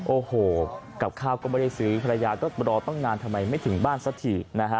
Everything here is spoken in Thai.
โอ้โหกับข้าวก็ไม่ได้ซื้อภรรยาก็รอตั้งนานทำไมไม่ถึงบ้านสักทีนะฮะ